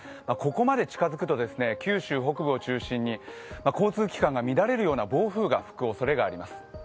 ここまで近づくと九州北部を中心に交通機関が乱れるような暴風が吹くおそれがあります。